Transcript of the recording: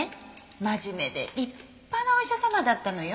真面目で立派なお医者様だったのよ。